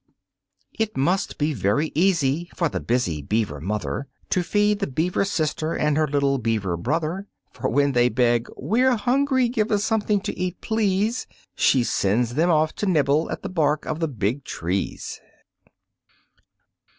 It must be very easy for the busy Beaver mother To feed the Beaver sister and her little Beaver brother, For when they beg: "We're hungry, give us something to eat, please!" She sends them off to nibble at the bark of the big trees.